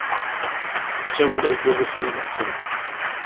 Sawel-as-d ad asen-ileqqem.